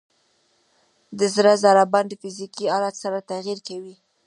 د زړه ضربان د فزیکي حالت سره تغیر کوي.